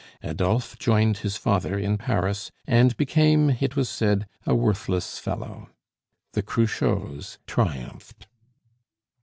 Adolphe joined his father in Paris and became, it was said, a worthless fellow. The Cruchots triumphed.